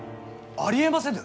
ありえませぬ！